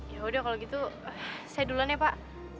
yaudah kalau gitu saya duluan ya pak